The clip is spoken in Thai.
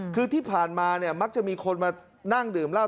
คือที่ผ่านมาเนี่ยมักจะมีคนมานั่งดื่มเหล้า